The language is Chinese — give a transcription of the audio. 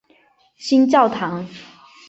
新教堂。